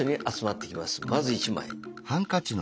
まず１枚。